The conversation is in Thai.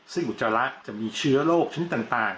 ซึ่งอุจจาระจะมีเชื้อโรคชิ้นต่าง